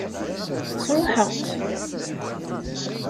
Sṛuḥeɣ-tt.